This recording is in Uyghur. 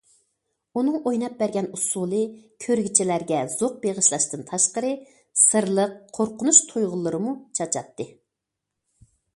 ئۇنىڭ ئويناپ بەرگەن ئۇسسۇلى كۆرگۈچىلەرگە زوق بېغىشلاشتىن تاشقىرى، سىرلىق قورقۇنچ تۇيغۇلىرىمۇ چاچاتتى.